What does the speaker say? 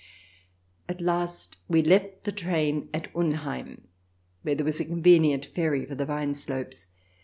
At last we left the train at Unheim, where there was a convenient ferry for the vine slopes.